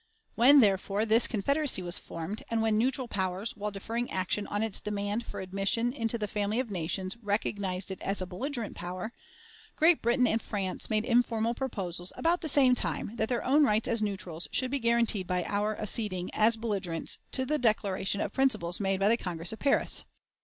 When, therefore, this Confederacy was formed, and when neutral powers, while deferring action on its demand for admission into the family of nations, recognized it as a belligerent power, Great Britain and France made informal proposals, about the same time, that their own rights as neutrals should be guaranteed by our acceding, as belligerents, to the declaration of principles made by the Congress of Paris.